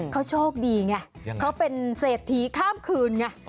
เขาโชคดีไงเขาเป็นเศรษฐีข้ามคืนไง